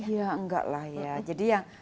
ya enggak lah ya jadi yang